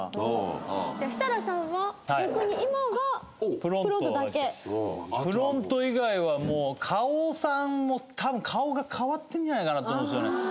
プロント以外はもう花王さんも多分顔が変わってるんじゃないかなと思うんですよね。